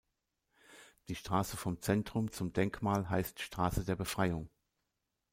Die Straße vom Zentrum zum Denkmal heißt ‚Straße der Befreiung‘.